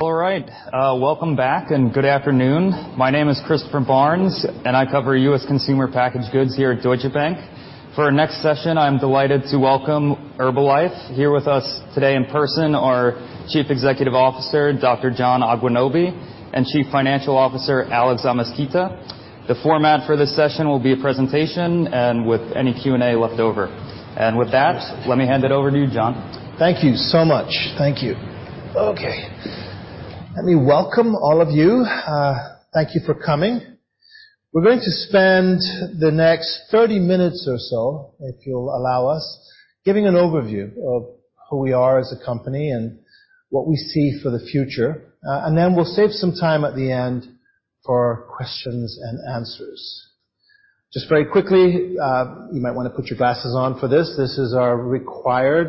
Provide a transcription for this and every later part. All right. Welcome back and good afternoon. My name is Christopher Barnes, and I cover US consumer packaged goods here at Deutsche Bank. For our next session, I'm delighted to welcome Herbalife. Here with us today in person are Chief Executive Officer, Dr. John Agwunobi, and Chief Financial Officer, Alex Amezquita. The format for this session will be a presentation and with any Q&A left over. With that, let me hand it over to you, John. Thank you so much. Thank you. Okay. Let me welcome all of you. Thank you for coming. We're going to spend the next 30 minutes or so, if you'll allow us, giving an overview of who we are as a company and what we see for the future. We'll save some time at the end for questions and answers. Just very quickly, you might wanna put your glasses on for this. This is our required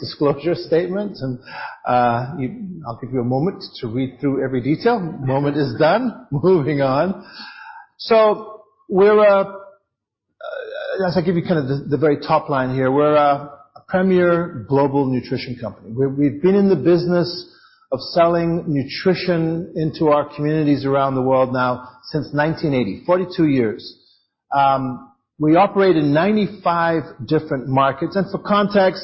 disclosure statement. I'll give you a moment to read through every detail. Moment is done. Moving on. We're, as I give you kind of the very top line here, we're a premier global nutrition company. We've been in the business of selling nutrition into our communities around the world now since 1980. 42 years. We operate in 95 different markets. For context,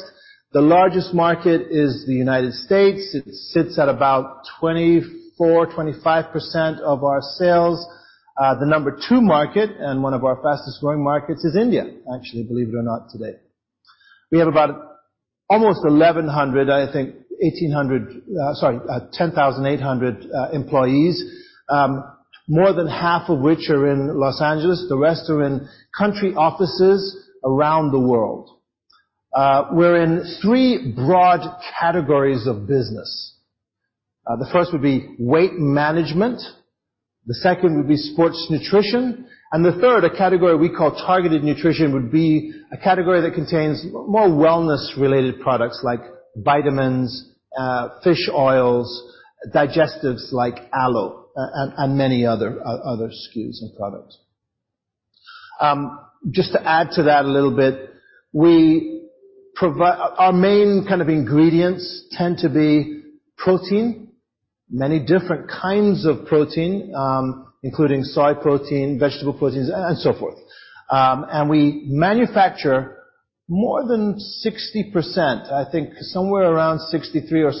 the largest market is the United States. It sits at about 24%-25% of our sales. The number two market and one of our fastest-growing markets is India, actually, believe it or not, today. We have about 10,800 employees, more than half of which are in Los Angeles. The rest are in country offices around the world. We're in three broad categories of business. The first would be Weight Management, the second would be Sports Nutrition, and the third, a category we call Targeted Nutrition, would be a category that contains more wellness-related products like vitamins, fish oils, digestives like aloe, and many other SKUs and products. Just to add to that a little bit, our main kind of ingredients tend to be protein. Many different kinds of protein, including soy protein, vegetable proteins and so forth. We manufacture more than 60%. I think somewhere around 63% or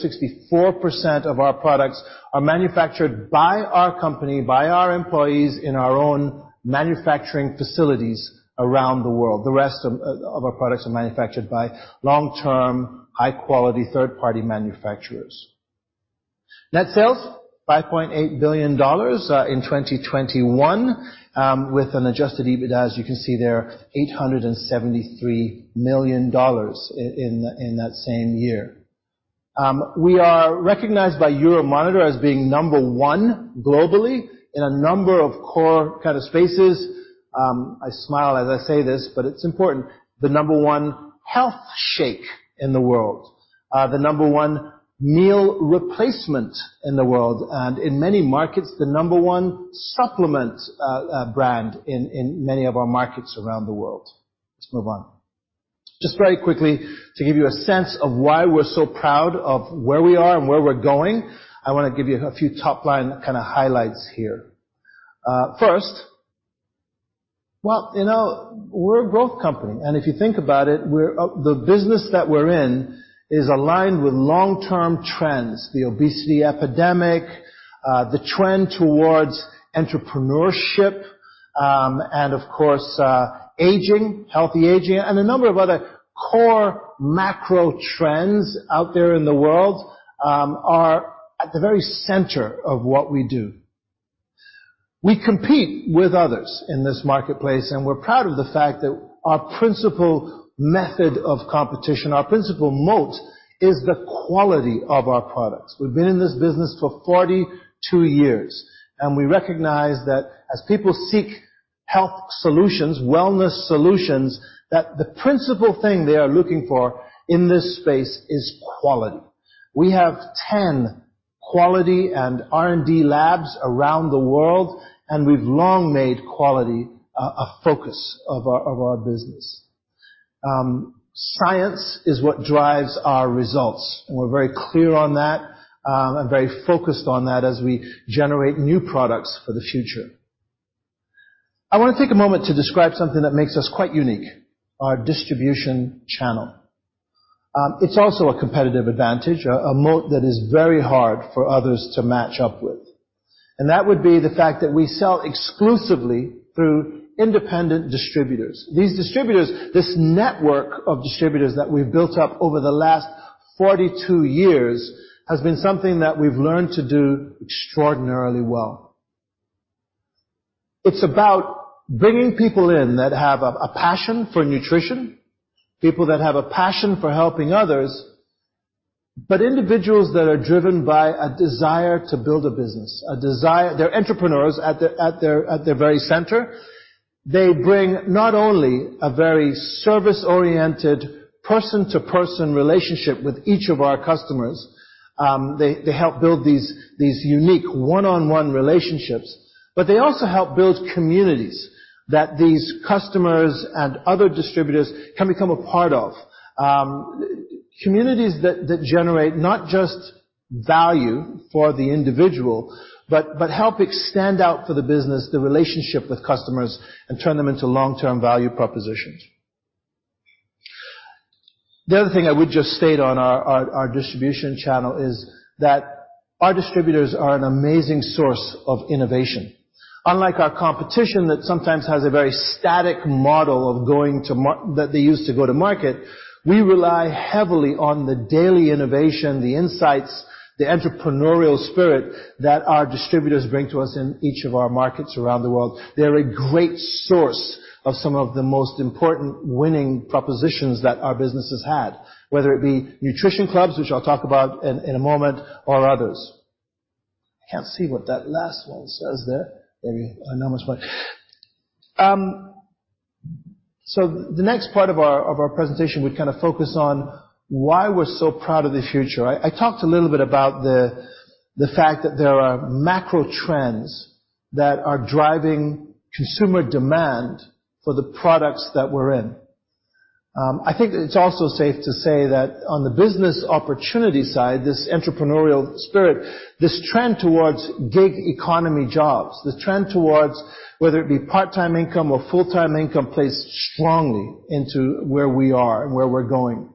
64% of our products are manufactured by our company, by our employees in our own manufacturing facilities around the world. The rest of our products are manufactured by long-term, high-quality third-party manufacturers. Net sales, $5.8 billion in 2021, with an adjusted EBITDA, as you can see there, $873 million in that same year. We are recognized by Euromonitor as being number one globally in a number of core kind of spaces. I smile as I say this, but it's important. The number one health shake in the world. The number one meal replacement in the world. In many markets, the number one supplement, brand in many of our markets around the world. Let's move on. Just very quickly to give you a sense of why we're so proud of where we are and where we're going, I wanna give you a few top-line kinda highlights here. First, well, you know, we're a growth company. If you think about it, the business that we're in is aligned with long-term trends, the obesity epidemic, the trend towards entrepreneurship, and of course, aging, healthy aging, and a number of other core macro trends out there in the world, are at the very center of what we do. We compete with others in this marketplace, and we're proud of the fact that our principal method of competition, our principal moat, is the quality of our products. We've been in this business for 42 years, and we recognize that as people seek health solutions, wellness solutions, that the principal thing they are looking for in this space is quality. We have 10 quality and R&D labs around the world, and we've long made quality a focus of our business. Science is what drives our results, and we're very clear on that, and very focused on that as we generate new products for the future. I wanna take a moment to describe something that makes us quite unique, our distribution channel. It's also a competitive advantage, a moat that is very hard for others to match up with. That would be the fact that we sell exclusively through independent distributors. These distributors, this network of distributors that we've built up over the last 42 years has been something that we've learned to do extraordinarily well. It's about bringing people in that have a passion for nutrition, people that have a passion for helping others, but individuals that are driven by a desire to build a business. A desire. They're entrepreneurs at their very center. They bring not only a very service-oriented person-to-person relationship with each of our customers, they help build these unique one-on-one relationships, but they also help build communities. That these customers and other distributors can become a part of. Communities that generate not just value for the individual, but help extend out for the business, the relationship with customers and turn them into long-term value propositions. The other thing I would just state on our distribution channel is that our distributors are an amazing source of innovation. Unlike our competition that sometimes has a very static model of going to market that they use to go to market, we rely heavily on the daily innovation, the insights, the entrepreneurial spirit that our distributors bring to us in each of our markets around the world. They're a great source of some of the most important winning propositions that our business has had, whether it be Nutrition Clubs, which I'll talk about in a moment, or others. I can't see what that last one says there. Maybe I know as much. The next part of our presentation would kind of focus on why we're so proud of the future. I talked a little bit about the fact that there are macro trends that are driving consumer demand for the products that we're in. I think it's also safe to say that on the business opportunity side, this entrepreneurial spirit, this trend towards gig economy jobs, the trend towards whether it be part-time income or full-time income plays strongly into where we are and where we're going.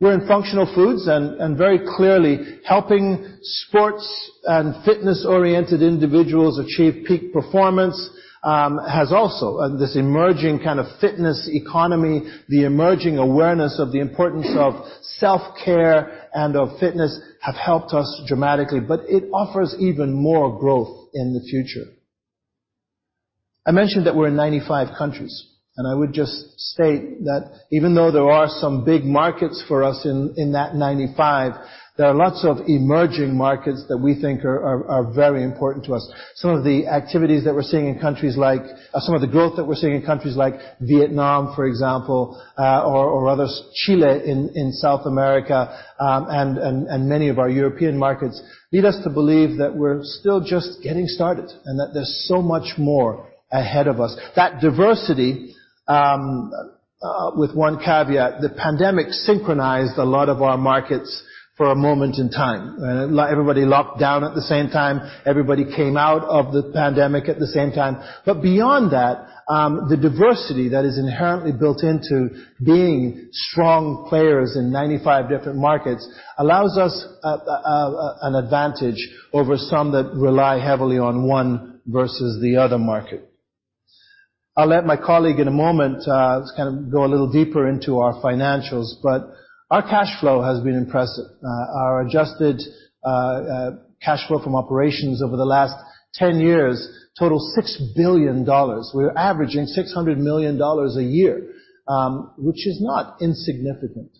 We're in functional foods and very clearly helping sports and fitness-oriented individuals achieve peak performance. This emerging kind of fitness economy, the emerging awareness of the importance of self-care and of fitness have helped us dramatically, but it offers even more growth in the future. I mentioned that we're in 95 countries, and I would just state that even though there are some big markets for us in that 95 countries, there are lots of emerging markets that we think are very important to us. Some of the growth that we're seeing in countries like Vietnam, for example, or others, Chile in South America, and many of our European markets lead us to believe that we're still just getting started and that there's so much more ahead of us. That diversity, with one caveat, the pandemic synchronized a lot of our markets for a moment in time. Everybody locked down at the same time. Everybody came out of the pandemic at the same time. Beyond that, the diversity that is inherently built into being strong players in 95 different markets allows us an advantage over some that rely heavily on one versus the other market. I'll let my colleague in a moment, just kind of go a little deeper into our financials, but our cash flow has been impressive. Our adjusted cash flow from operations over the last 10 years totals $6 billion. We're averaging $600 million a year, which is not insignificant.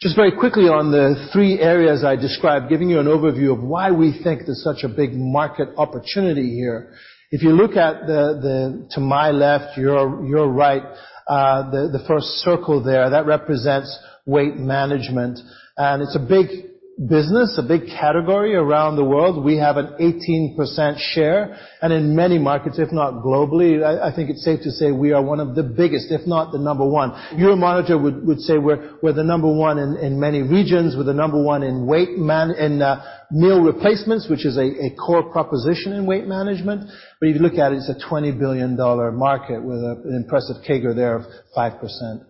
Just very quickly on the three areas I described, giving you an overview of why we think there's such a big market opportunity here. If you look at, to my left, your right, the first circle there, that represents weight management. It's a big business, a big category around the world. We have an 18% share. In many markets, if not globally, I think it's safe to say we are one of the biggest, if not the number one. Euromonitor would say we're the number one in many regions. We're the number one in meal replacements, which is a core proposition in weight management. If you look at it's a $20 billion market with an impressive CAGR there of 5%.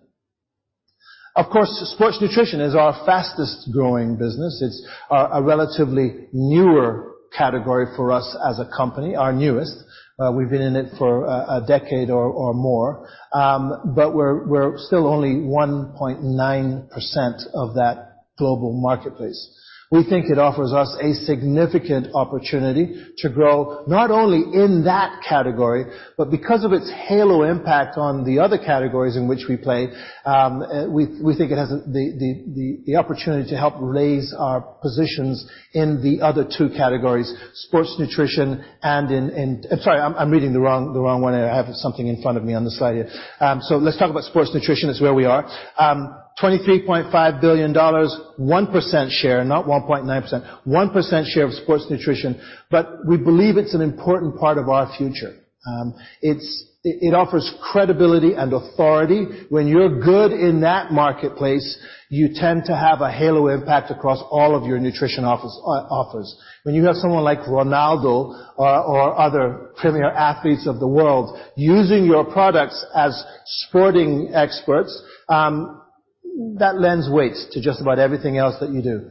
Of course, sports nutrition is our fastest-growing business. It's a relatively newer category for us as a company, our newest. We've been in it for a decade or more. We're still only 1.9% of that global marketplace. We think it offers us a significant opportunity to grow, not only in that category, but because of its halo impact on the other categories in which we play. We think it has the opportunity to help raise our positions in the other two categories, sports nutrition. I'm sorry. I'm reading the wrong one. I have something in front of me on the slide here. Let's talk about sports nutrition. That's where we are. $23.5 billion, 1% share, not 1.9%. 1% share of sports nutrition, but we believe it's an important part of our future. It offers credibility and authority. When you're good in that marketplace, you tend to have a halo impact across all of your nutrition offerings. When you have someone like Ronaldo or other premier athletes of the world using your products as sporting experts, that lends weight to just about everything else that you do.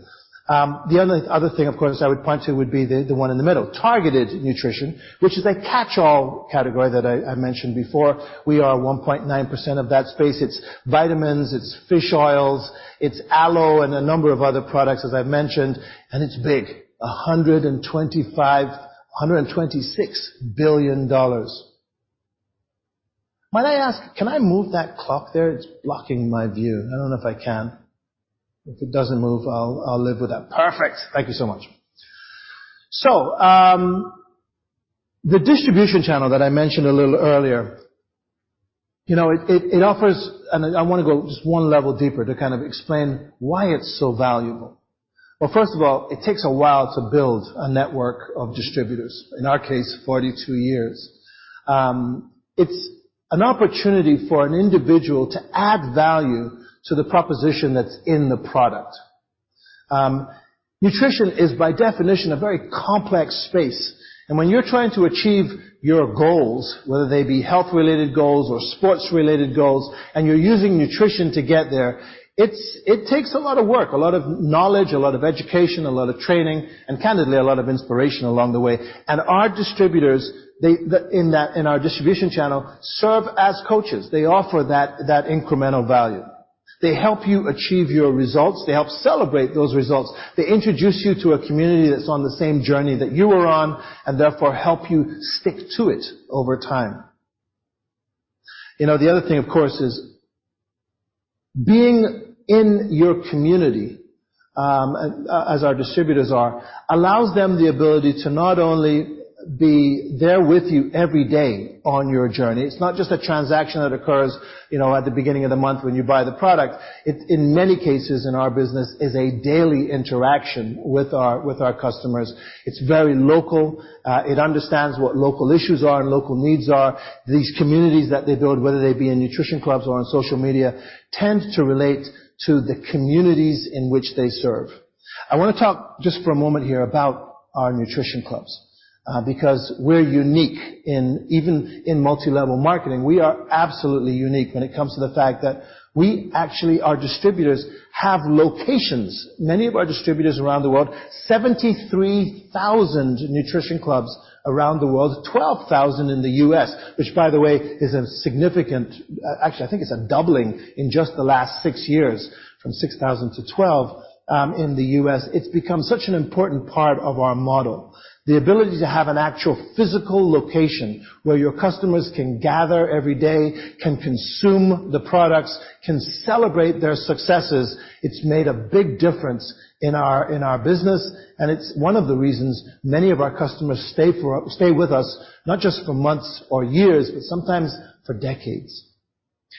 The other thing, of course, I would point to would be the one in the middle, Targeted Nutrition, which is a catch-all category that I mentioned before. We are 1.9% of that space. It's vitamins, it's fish oils, it's aloe, and a number of other products, as I've mentioned, and it's big, $126 billion. Might I ask, can I move that clock there? It's blocking my view. I don't know if I can. If it doesn't move, I'll live with that. Perfect. Thank you so much. The distribution channel that I mentioned a little earlier. You know, it offers... I wanna go just one level deeper to kind of explain why it's so valuable. Well, first of all, it takes a while to build a network of distributors, in our case, 42 years. It's an opportunity for an individual to add value to the proposition that's in the product. Nutrition is by definition a very complex space, and when you're trying to achieve your goals, whether they be health-related goals or sports-related goals, and you're using nutrition to get there, it takes a lot of work, a lot of knowledge, a lot of education, a lot of training, and candidly, a lot of inspiration along the way. Our distributors in our distribution channel serve as coaches. They offer that incremental value. They help you achieve your results. They help celebrate those results. They introduce you to a community that's on the same journey that you are on, and therefore help you stick to it over time. You know, the other thing, of course, is being in your community, as our distributors are, allows them the ability to not only be there with you every day on your journey. It's not just a transaction that occurs, you know, at the beginning of the month when you buy the product. It in many cases in our business is a daily interaction with our customers. It's very local. It understands what local issues are and local needs are. These communities that they build, whether they be in Nutrition Clubs or on social media, tend to relate to the communities in which they serve. I wanna talk just for a moment here about our Nutrition Clubs, because we're unique in even in multi-level marketing, we are absolutely unique when it comes to the fact that we actually our distributors have locations. Many of our distributors around the world, 73,000 Nutrition Clubs around the world, 12,000 in the US, which, by the way, is a significant. Actually, I think it's a doubling in just the last six years from 6,000 to 12,000 in the US. It's become such an important part of our model. The ability to have an actual physical location where your customers can gather every day, can consume the products, can celebrate their successes. It's made a big difference in our business, and it's one of the reasons many of our customers stay with us, not just for months or years, but sometimes for decades.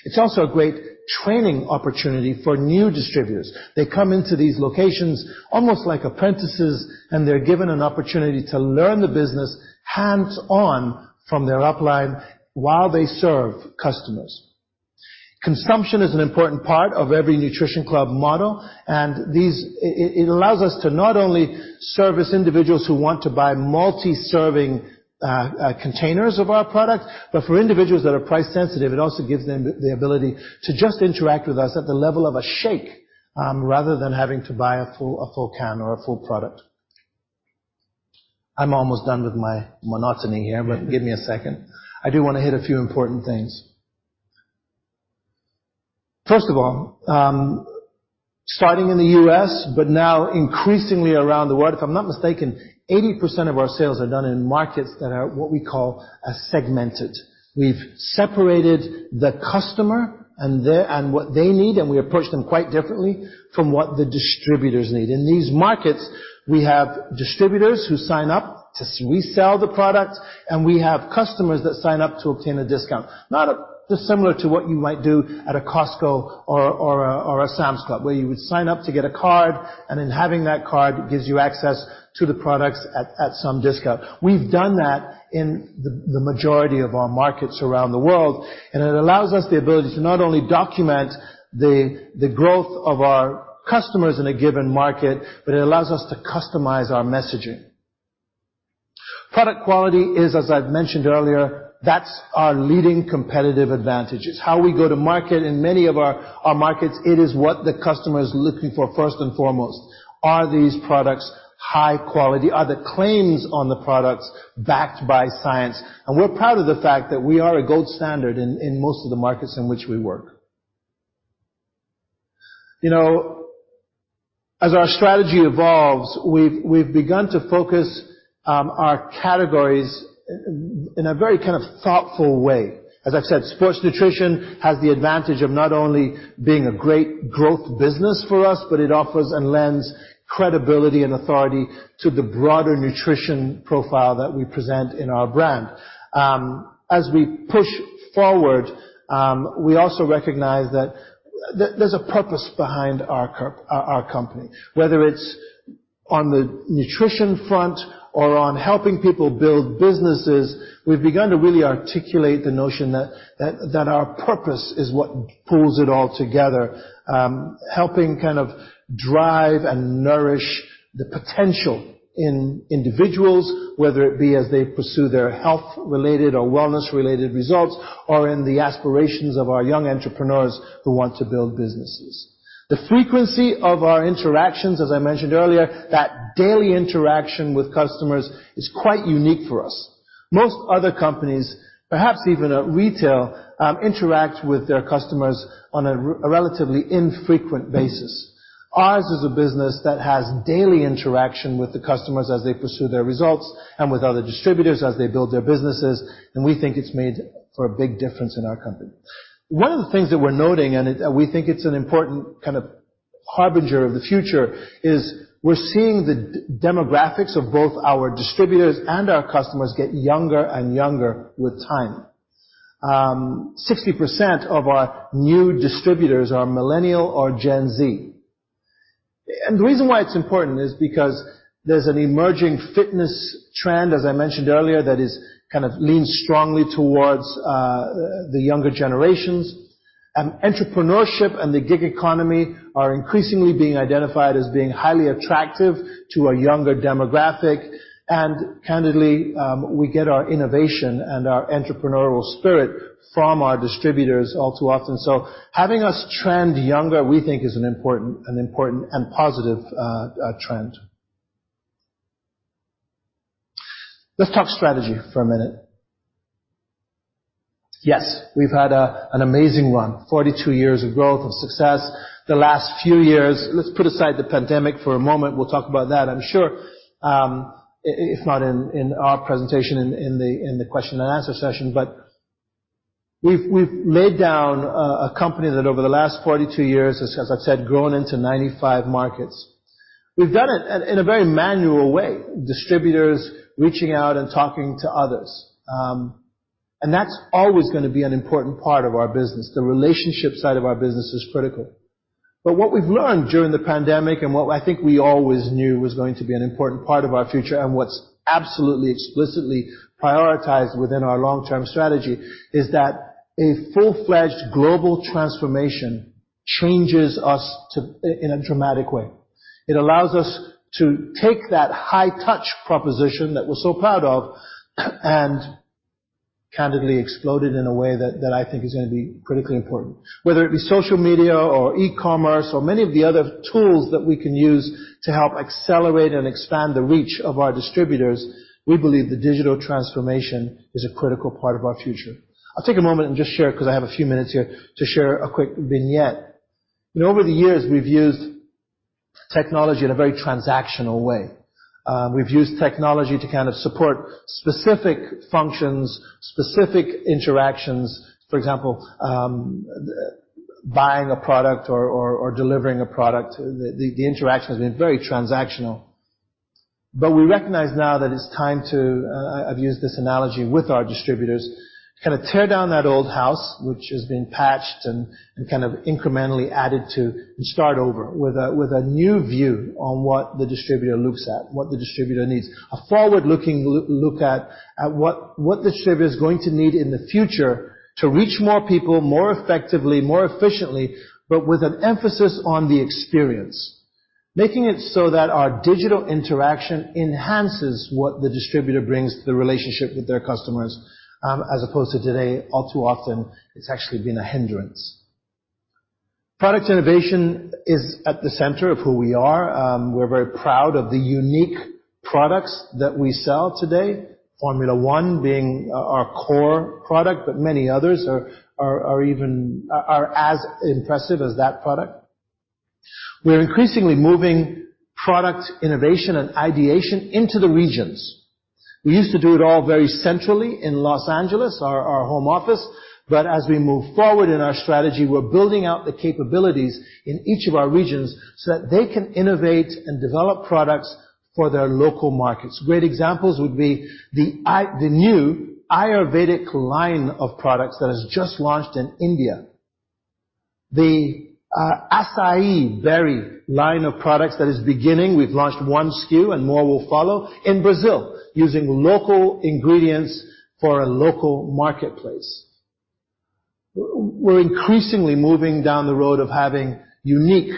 It's also a great training opportunity for new distributors. They come into these locations almost like apprentices, and they're given an opportunity to learn the business hands-on from their upline while they serve customers. Consumption is an important part of every Nutrition Club model, and it allows us to not only service individuals who want to buy multi-serving containers of our product, but for individuals that are price sensitive, it also gives them the ability to just interact with us at the level of a shake rather than having to buy a full can or a full product. I'm almost done with my monologue here, but give me a second. I do wanna hit a few important things. First of all, starting in the U.S., but now increasingly around the world, if I'm not mistaken, 80% of our sales are done in markets that are what we call segmented. We've separated the customer and what they need, and we approach them quite differently from what the distributors need. In these markets, we have distributors who sign up to resell the product, and we have customers that sign up to obtain a discount. Not dissimilar to what you might do at a Costco or a Sam's Club, where you would sign up to get a card, and in having that card, it gives you access to the products at some discount. We've done that in the majority of our markets around the world, and it allows us the ability to not only document the growth of our customers in a given market, but it allows us to customize our messaging. Product quality is, as I've mentioned earlier, that's our leading competitive advantage. It's how we go to market in many of our markets. It is what the customer is looking for first and foremost. Are these products high quality? Are the claims on the products backed by science? We're proud of the fact that we are a gold standard in most of the markets in which we work. You know, as our strategy evolves, we've begun to focus our categories in a very kind of thoughtful way. As I've said, sports nutrition has the advantage of not only being a great growth business for us, but it offers and lends credibility and authority to the broader nutrition profile that we present in our brand. As we push forward, we also recognize that there's a purpose behind our company, whether it's on the nutrition front or on helping people build businesses. We've begun to really articulate the notion that our purpose is what pulls it all together. Helping kind of drive and nourish the potential in individuals, whether it be as they pursue their health-related or wellness-related results, or in the aspirations of our young entrepreneurs who want to build businesses. The frequency of our interactions, as I mentioned earlier, that daily interaction with customers is quite unique for us. Most other companies, perhaps even at retail, interact with their customers on a relatively infrequent basis. Ours is a business that has daily interaction with the customers as they pursue their results and with other distributors as they build their businesses, and we think it's made for a big difference in our company. One of the things that we're noting, we think it's an important kind of harbinger of the future is we're seeing the demographics of both our distributors and our customers get younger and younger with time. 60% of our new distributors are Millennial or Gen Z. The reason why it's important is because there's an emerging fitness trend, as I mentioned earlier, that is kind of leaned strongly towards the younger generations. Entrepreneurship and the gig economy are increasingly being identified as being highly attractive to a younger demographic. Candidly, we get our innovation and our entrepreneurial spirit from our distributors all too often. Having us trend younger, we think is an important and positive trend. Let's talk strategy for a minute. Yes, we've had an amazing run, 42 years of growth and success. The last few years. Let's put aside the pandemic for a moment. We'll talk about that, I'm sure, if not in our presentation, in the question and answer session. We've laid down a company that over the last 42 years, as I've said, grown into 95 markets. We've done it in a very manual way, distributors reaching out and talking to others. That's always gonna be an important part of our business. The relationship side of our business is critical. What we've learned during the pandemic, and what I think we always knew was going to be an important part of our future, and what's absolutely explicitly prioritized within our long-term strategy, is that a full-fledged global transformation changes us in a dramatic way. It allows us to take that high-touch proposition that we're so proud of and candidly explode it in a way that I think is gonna be critically important. Whether it be social media or e-commerce or many of the other tools that we can use to help accelerate and expand the reach of our distributors, we believe the digital transformation is a critical part of our future. I'll take a moment and just share, 'cause I have a few minutes here to share a quick vignette. You know, over the years, we've used technology in a very transactional way. We've used technology to kind of support specific functions, specific interactions. For example, buying a product or delivering a product. The interaction has been very transactional. We recognize now that it's time to, I've used this analogy with our distributors, kinda tear down that old house, which has been patched and kind of incrementally added to, and start over with a new view on what the distributor looks at, what the distributor needs. A forward-looking look at what the distributor is going to need in the future to reach more people, more effectively, more efficiently, but with an emphasis on the experience. Making it so that our digital interaction enhances what the distributor brings to the relationship with their customers, as opposed to today, all too often, it's actually been a hindrance. Product innovation is at the center of who we are. We're very proud of the unique products that we sell today. Formula 1 being our core product, but many others are as impressive as that product. We're increasingly moving product innovation and ideation into the regions. We used to do it all very centrally in Los Angeles, our home office, but as we move forward in our strategy, we're building out the capabilities in each of our regions so that they can innovate and develop products for their local markets. Great examples would be the new Ayurvedic line of products that has just launched in India. The açaí berry line of products that is beginning. We've launched one SKU and more will follow in Brazil using local ingredients for a local marketplace. We're increasingly moving down the road of having unique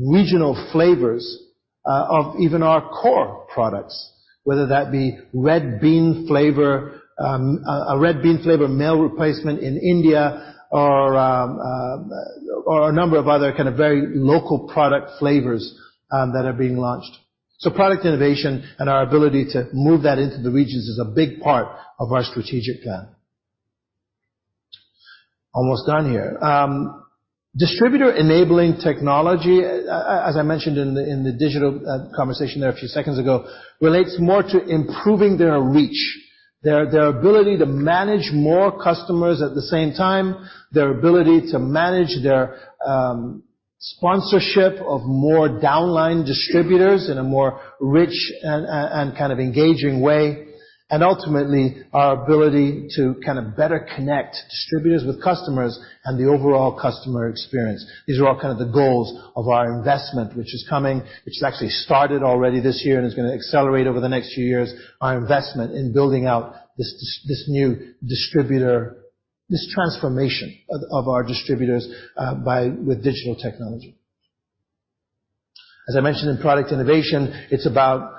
regional flavors of even our core products, whether that be red bean flavor, a red bean flavor meal replacement in India or a number of other kind of very local product flavors that are being launched. Product innovation and our ability to move that into the regions is a big part of our strategic plan. Almost done here. Distributor-enabling technology, as I mentioned in the digital conversation there a few seconds ago, relates more to improving their reach, their ability to manage more customers at the same time, their ability to manage their sponsorship of more downline distributors in a more rich and kind of engaging way. Ultimately, our ability to kind of better connect distributors with customers and the overall customer experience. These are all kind of the goals of our investment which is coming, which has actually started already this year, and it's gonna accelerate over the next few years, our investment in building out this new distributor transformation of our distributors with digital technology. As I mentioned in product innovation, it's about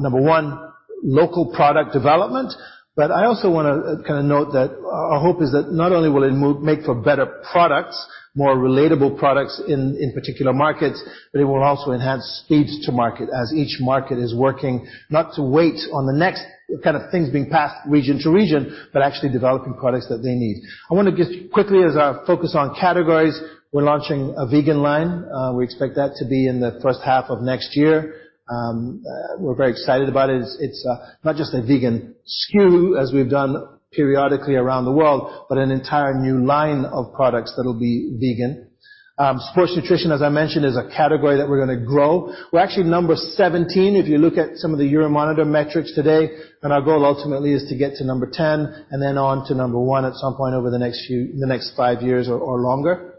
number one, local product development. I also wanna kinda note that our hope is that not only will it make for better products, more relatable products in particular markets, but it will also enhance speeds to market as each market is working, not to wait on the next kind of things being passed region to region, but actually developing products that they need. I wanna just quickly, as I focus on categories, we're launching a vegan line. We expect that to be in the first half of next year. We're very excited about it. It's not just a vegan SKU, as we've done periodically around the world, but an entire new line of products that'll be vegan. Sports nutrition, as I mentioned, is a category that we're gonna grow. We're actually number 17 if you look at some of the Euromonitor metrics today. Our goal ultimately is to get to number 10 and then on to number one at some point over the next five years or longer.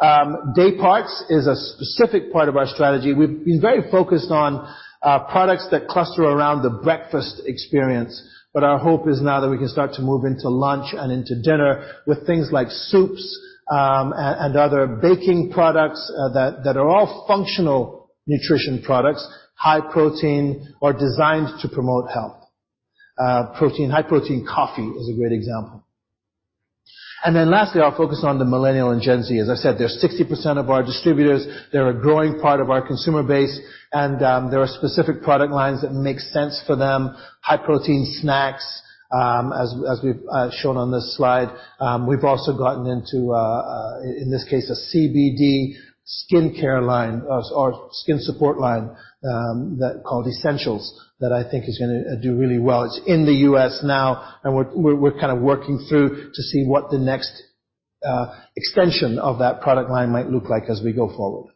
Dayparts is a specific part of our strategy. We've been very focused on products that cluster around the breakfast experience, but our hope is now that we can start to move into lunch and into dinner with things like soups and other baking products that are all functional nutrition products, high protein or designed to promote health. High protein coffee is a great example. Then lastly, our focus on the Millennial and Gen Z. As I said, they're 60% of our distributors, they're a growing part of our consumer base, and there are specific product lines that make sense for them. High protein snacks, as we've shown on this slide. We've also gotten into, in this case, a CBD skincare line, or skin support line, that's called Enrichual that I think is gonna do really well. It's in the U.S. now, and we're kinda working through to see what the next extension of that product line might look like as we go forward.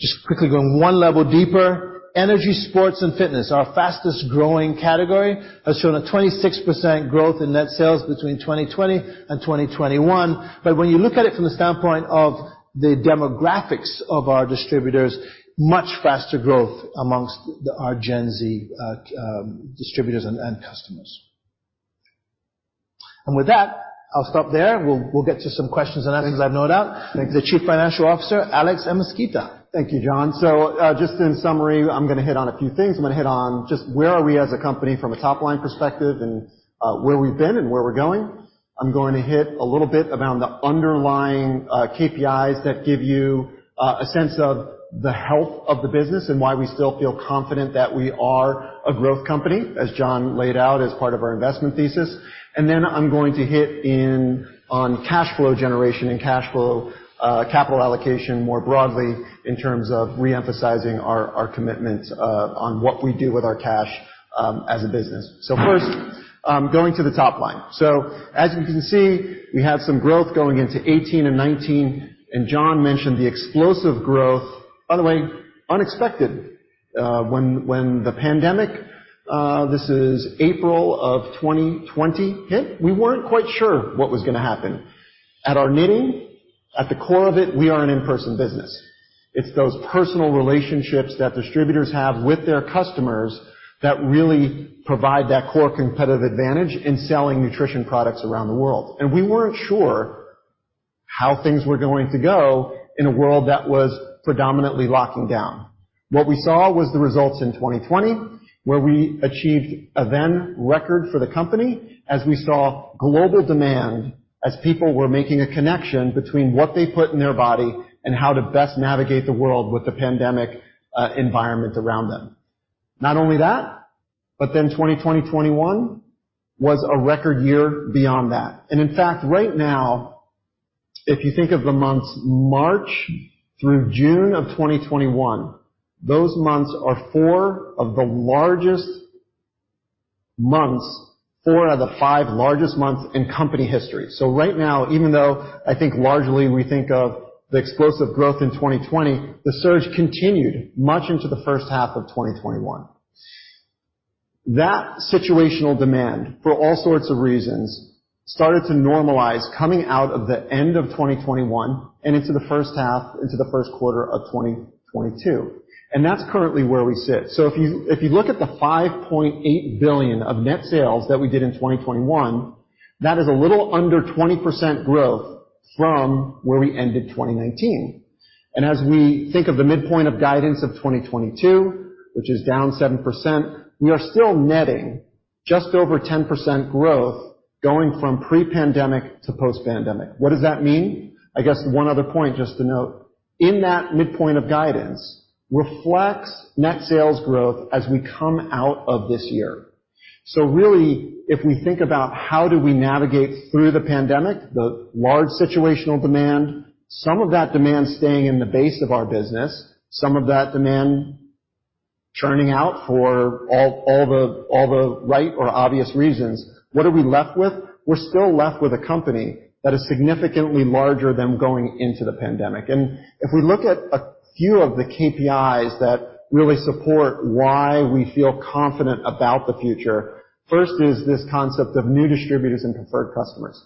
Just quickly going one level deeper. Energy, sports, and fitness, our fastest-growing category, has shown a 26% growth in net sales between 2020 and 2021. When you look at it from the standpoint of the demographics of our distributors, much faster growth amongst our Gen Z distributors and customers. With that, I'll stop there. We'll get to some questions and answers, I've no doubt. The Chief Financial Officer, Alex Amezquita. Thank you, John. Just in summary, I'm gonna hit on a few things. I'm gonna hit on just where are we as a company from a top-line perspective and, where we've been and where we're going. I'm going to hit a little bit around the underlying, KPIs that give you, a sense of the health of the business and why we still feel confident that we are a growth company, as John laid out as part of our investment thesis. I'm going to hit in on cash flow generation and cash flow, capital allocation, more broadly in terms of re-emphasizing our commitment, on what we do with our cash, as a business. First, going to the top line. As you can see, we have some growth going into 2018 and 2019, and John mentioned the explosive growth. By the way, unexpected, when the pandemic, this is April of 2020, hit, we weren't quite sure what was gonna happen. At our heart, at the core of it, we are an in-person business. It's those personal relationships that distributors have with their customers that really provide that core competitive advantage in selling nutrition products around the world. We weren't sure how things were going to go in a world that was predominantly locking down. What we saw was the results in 2020, where we achieved a then record for the company as we saw global demand, as people were making a connection between what they put in their body and how to best navigate the world with the pandemic environment around them. Not only that, but then 2020-2021 was a record year beyond that. In fact, right now, if you think of the months March through June of 2021, those months are four of the largest months, four out of the five largest months in company history. Right now, even though I think largely we think of the explosive growth in 2020, the surge continued much into the first half of 2021. That situational demand, for all sorts of reasons, started to normalize coming out of the end of 2021 and into the first half, into the first quarter of 2022, and that's currently where we sit. If you look at the $5.8 billion of net sales that we did in 2021, that is a little under 20% growth from where we ended 2019. As we think of the midpoint of guidance of 2022, which is down 7%, we are still netting just over 10% growth going from pre-pandemic to post-pandemic. What does that mean? I guess one other point just to note. In that midpoint of guidance reflects net sales growth as we come out of this year. Really, if we think about how do we navigate through the pandemic, the large situational demand, some of that demand staying in the base of our business, some of that demand churning out for all the right or obvious reasons. What are we left with? We're still left with a company that is significantly larger than going into the pandemic. If we look at a few of the KPIs that really support why we feel confident about the future, first is this concept of new distributors and preferred customers.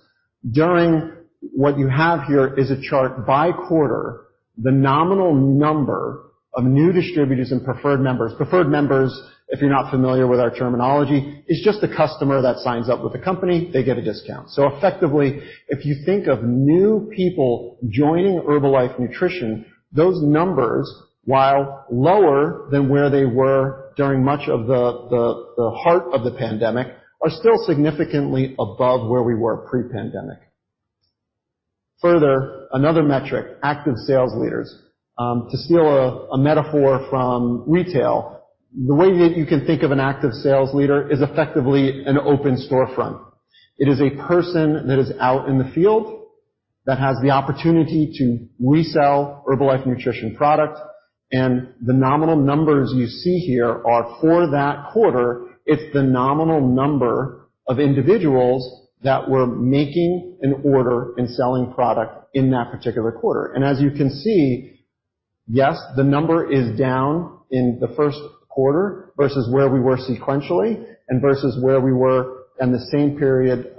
What you have here is a chart by quarter, the nominal number of new distributors and preferred members. Preferred members, if you're not familiar with our terminology, is just a customer that signs up with the company, they get a discount. So effectively, if you think of new people joining Herbalife Nutrition, those numbers, while lower than where they were during much of the heart of the pandemic, are still significantly above where we were pre-pandemic. Further, another metric, active sales leaders. To steal a metaphor from retail, the way you can think of an active sales leader is effectively an open storefront. It is a person that is out in the field that has the opportunity to resell Herbalife Nutrition product. The nominal numbers you see here are for that quarter. It's the nominal number of individuals that were making an order and selling product in that particular quarter. As you can see, yes, the number is down in the first quarter versus where we were sequentially and versus where we were in the same period,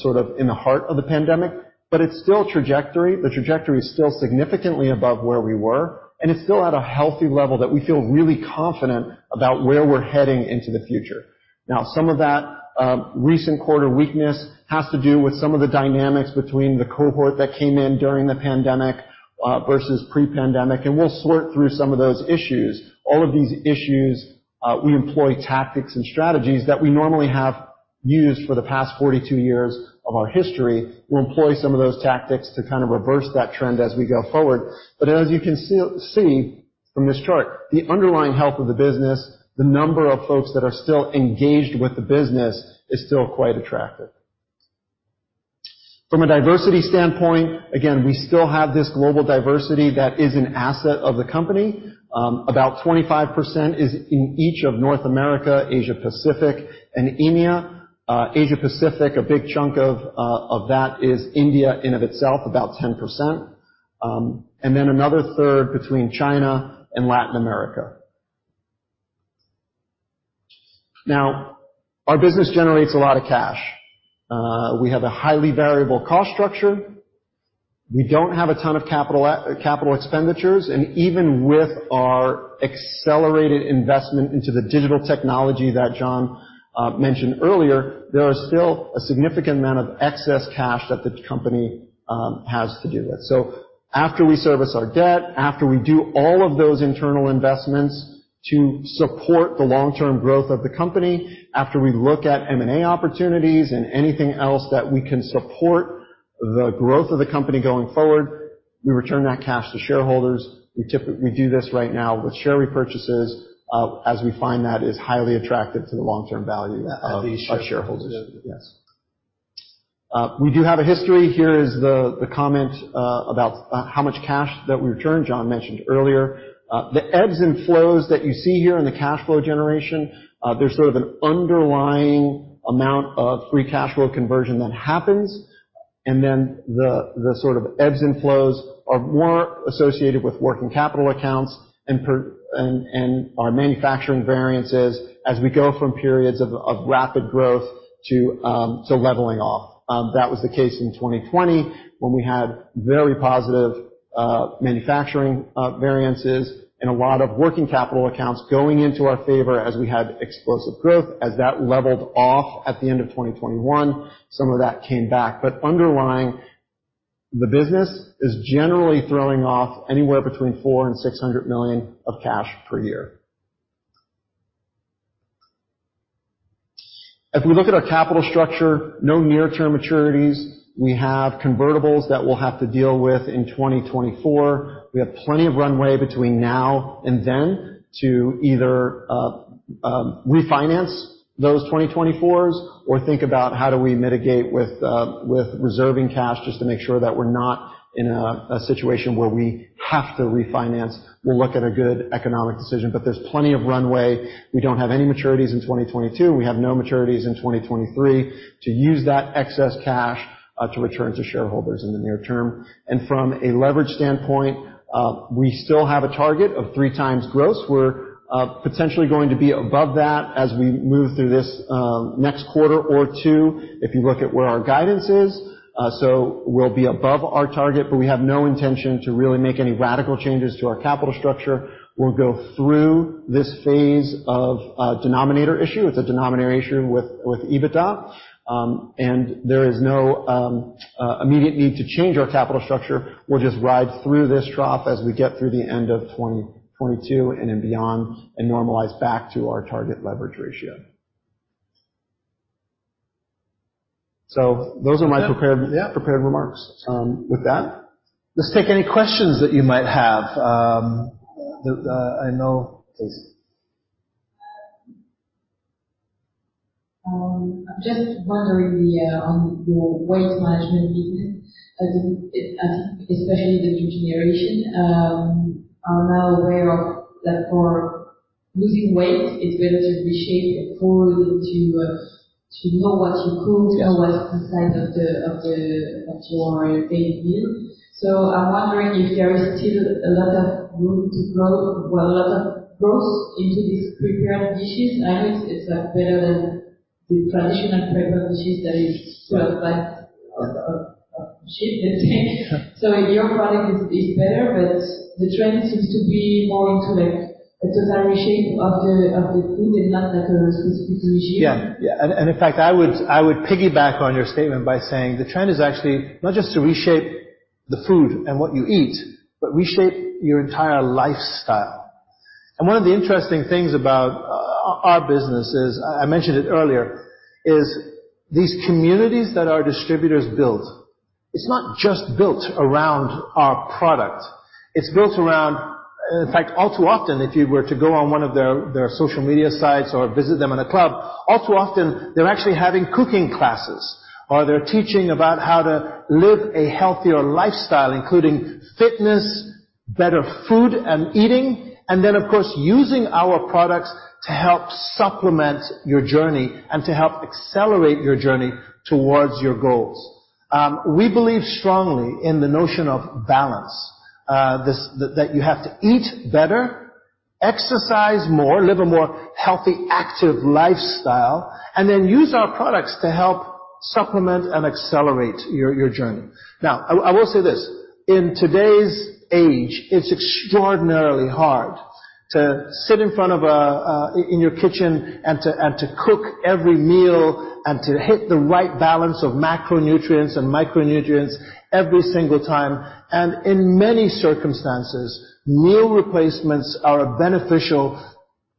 sort of in the heart of the pandemic. It's still trajectory. The trajectory is still significantly above where we were, and it's still at a healthy level that we feel really confident about where we're heading into the future. Now, some of that, recent quarter weakness has to do with some of the dynamics between the cohort that came in during the pandemic, versus pre-pandemic, and we'll sort through some of those issues. All of these issues, we employ tactics and strategies that we normally have used for the past 42 years of our history. We'll employ some of those tactics to kind of reverse that trend as we go forward. As you can still see from this chart, the underlying health of the business, the number of folks that are still engaged with the business, is still quite attractive. From a diversity standpoint, again, we still have this global diversity that is an asset of the company. About 25% is in each of North America, Asia Pacific, and EMEA. Asia Pacific, a big chunk of that is India in of itself, about 10%. Another third between China and Latin America. Our business generates a lot of cash. We have a highly variable cost structure. We don't have a ton of capital expenditures, and even with our accelerated investment into the digital technology that John mentioned earlier, there is still a significant amount of excess cash that the company has to deal with. After we service our debt, after we do all of those internal investments to support the long-term growth of the company, after we look at M&A opportunities and anything else that we can support the growth of the company going forward, we return that cash to shareholders. We do this right now with share repurchases, as we find that is highly attractive to the long-term value of shareholders. Yes. We do have a history. Here is the comment about how much cash that we returned, John mentioned earlier. The ebbs and flows that you see here in the cash flow generation, there's sort of an underlying amount of free cash flow conversion that happens. The sort of ebbs and flows are more associated with working capital accounts and our manufacturing variances as we go from periods of rapid growth to sort of leveling off. That was the case in 2020 when we had very positive manufacturing variances and a lot of working capital accounts going into our favor as we had explosive growth. As that leveled off at the end of 2021, some of that came back. Underlying the business is generally throwing off anywhere between $400 million and $600 million of cash per year. If we look at our capital structure, no near-term maturities. We have convertibles that we'll have to deal with in 2024. We have plenty of runway between now and then to either, refinance those 2024s or think about how do we mitigate with reserving cash just to make sure that we're not in a situation where we have to refinance. We'll look at a good economic decision, but there's plenty of runway. We don't have any maturities in 2022. We have no maturities in 2023 to use that excess cash, to return to shareholders in the near term. From a leverage standpoint, we still have a target of 3x gross. We're potentially going to be above that as we move through this next quarter or two if you look at where our guidance is. We'll be above our target, but we have no intention to really make any radical changes to our capital structure. We'll go through this phase of a denominator issue. It's a denominator issue with EBITDA. There is no immediate need to change our capital structure. We'll just ride through this trough as we get through the end of 2022 and then beyond and normalize back to our target leverage ratio. Those are my prepared- Yeah. Prepared remarks. With that, let's take any questions that you might have. Please. I'm just wondering on your weight management business as especially the new generation are now aware of that for losing weight, it's better to reshape your food into to know what you put- Yes. What's inside of your daily meal. I'm wondering if there is still a lot of room to grow or a lot of growth into these prepared dishes. I know it's like better than the traditional prepared dishes that you saw, like Shape, I think. Yeah. Your product is better, but the trend seems to be more into, like, a total reshape of the food and not like a specific machine. Yeah. In fact, I would piggyback on your statement by saying the trend is actually not just to reshape the food and what you eat, but reshape your entire lifestyle. One of the interesting things about our business is, I mentioned it earlier, is these communities that our distributors build. It's not just built around our product. It's built around. In fact, all too often, if you were to go on one of their social media sites or visit them in a club, all too often, they're actually having cooking classes, or they're teaching about how to live a healthier lifestyle, including fitness. Better food and eating, and then of course, using our products to help supplement your journey and to help accelerate your journey towards your goals. We believe strongly in the notion of balance. You have to eat better, exercise more, live a more healthy, active lifestyle, and then use our products to help supplement and accelerate your journey. Now, I will say this. In today's age, it's extraordinarily hard to sit in front of a in your kitchen and to cook every meal, and to hit the right balance of macronutrients and micronutrients every single time. In many circumstances, meal replacements are a beneficial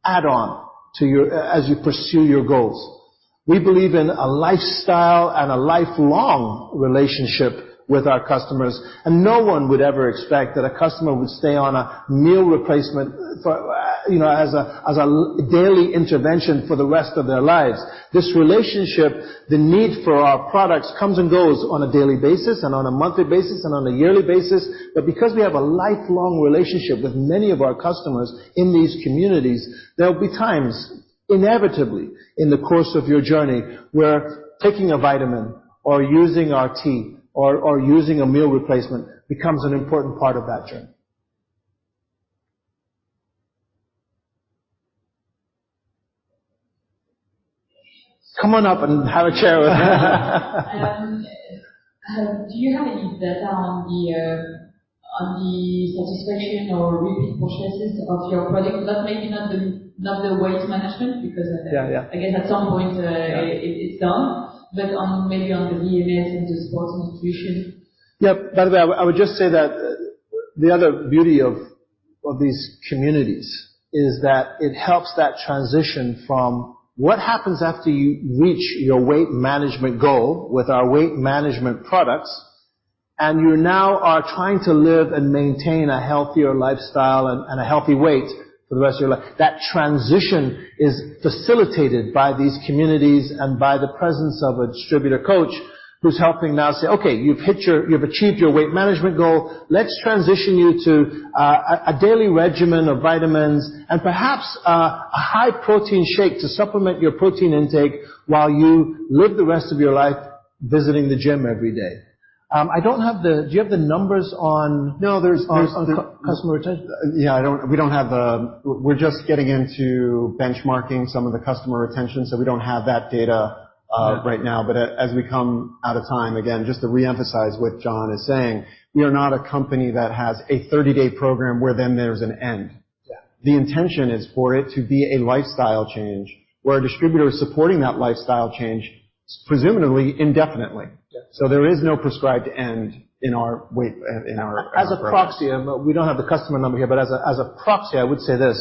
add-on to your as you pursue your goals. We believe in a lifestyle and a lifelong relationship with our customers, and no one would ever expect that a customer would stay on a meal replacement for, you know, as a daily intervention for the rest of their lives. This relationship, the need for our products comes and goes on a daily basis and on a monthly basis and on a yearly basis. Because we have a lifelong relationship with many of our customers in these communities, there will be times inevitably in the course of your journey where taking a vitamin or using our tea or using a meal replacement becomes an important part of that journey. Come on up and have a chair. Do you have any data on the satisfaction or repeat purchases of your product? Not the weight management because- Yeah. Yeah I guess at some point, it's done. Maybe on the DNA in the sports nutrition. Yeah. By the way, I would just say that the other beauty of these communities is that it helps that transition from what happens after you reach your weight management goal with our weight management products, and you now are trying to live and maintain a healthier lifestyle and a healthy weight for the rest of your life. That transition is facilitated by these communities and by the presence of a distributor coach who's helping now say, "Okay, you've hit your you've achieved your weight management goal. Let's transition you to a daily regimen of vitamins and perhaps a high protein shake to supplement your protein intake while you live the rest of your life visiting the gym every day." I don't have the. Do you have the numbers on? No. On customer retention. Yeah, we're just getting into benchmarking some of the customer retention, so we don't have that data right now. As we come out of time, again, just to re-emphasize what John is saying, we are not a company that has a 30-day program where then there's an end. Yeah. The intention is for it to be a lifestyle change, where a distributor is supporting that lifestyle change, presumably indefinitely. Yeah. There is no prescribed end in our weight, in our As a proxy, we don't have the customer number here, but as a proxy, I would say this: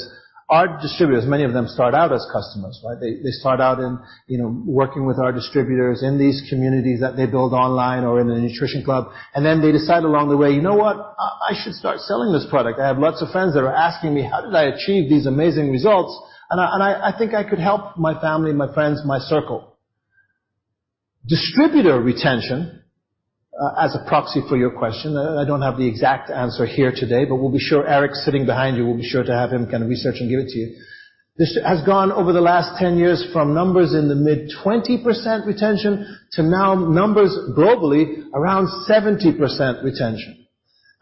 Our distributors, many of them start out as customers, right? They start out in, you know, working with our distributors in these communities that they build online or in a Nutrition Club. Then they decide along the way, "You know what? I should start selling this product. I have lots of friends that are asking me how did I achieve these amazing results, and I think I could help my family, my friends, my circle." Distributor retention, as a proxy for your question, I don't have the exact answer here today, but we'll be sure Eric sitting behind you, we'll be sure to have him kind of research and give it to you. This has gone over the last 10 years from numbers in the mid-20% retention to now numbers globally around 70% retention.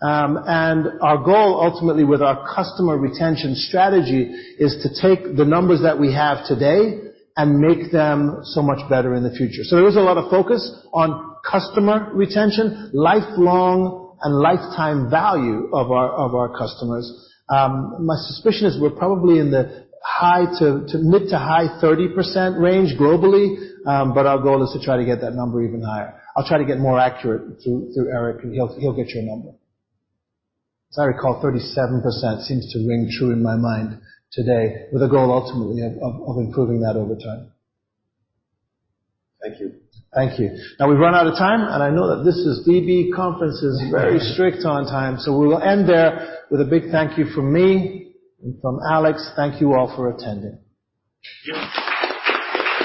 Our goal ultimately with our customer retention strategy is to take the numbers that we have today and make them so much better in the future. There is a lot of focus on customer retention, lifelong and lifetime value of our customers. My suspicion is we're probably in the high- to mid- to high-30% range globally, but our goal is to try to get that number even higher. I'll try to get more accurate through Eric, and he'll get you a number. As I recall, 37% seems to ring true in my mind today, with a goal ultimately of improving that over time. Thank you. Thank you. Now we've run out of time, and I know that this is DB conference is very strict on time. We will end there with a big thank you from me and from Alex. Thank you all for attending. Thank you.